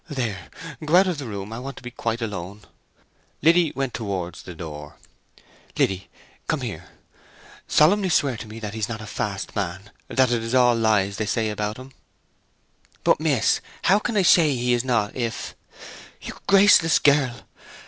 There, go out of the room; I want to be quite alone." Liddy went towards the door. "Liddy, come here. Solemnly swear to me that he's not a fast man; that it is all lies they say about him!" "But, miss, how can I say he is not if—" "You graceless girl!